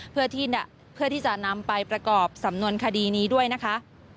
เพื่อที่จะนำไปประกอบสำนวนคดีนี้ด้วยนะคะ